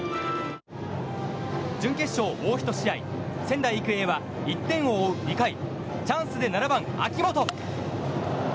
準決勝、もう１試合仙台育英は１点を２回チャンスで７番、秋元。